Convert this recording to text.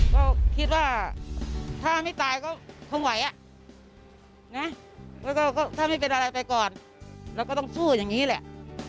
ก็คิดว่าถ้าไม่ตายก็คงไหวอ่ะนะแล้วก็ถ้าไม่เป็นอะไรไปก่อนเราก็ต้องสู้อย่างนี้แหละ